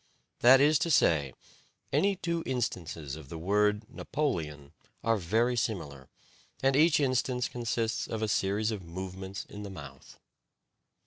That is to say, any two instances of the word "Napoleon" are very similar, and each instance consists of a series of movements in the mouth.